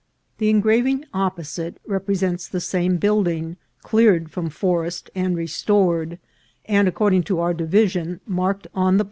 339 The engraving opposite represents the same build ing cleared from forest and restored, and, according to our division, marked on the